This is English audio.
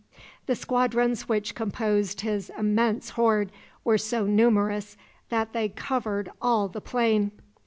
The squadrons which composed his immense horde were so numerous that they covered all the plain.